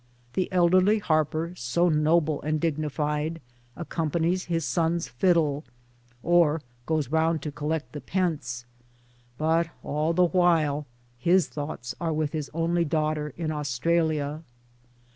The elderly harper, so noble and dignified, accompanies his son's fiddle — or goes round to collect the pence — but all the while his thoughts are with his only daughter in Australia.